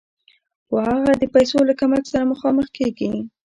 خو هغه د پیسو له کمښت سره مخامخ کېږي